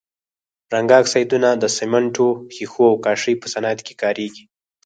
رنګه اکسایدونه د سمنټو، ښيښو او کاشي په صنعت کې کاریږي.